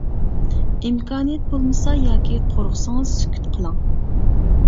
ئىمكانىيەت بولمىسا ياكى قورقسىڭىز سۈكۈت قىلىڭ.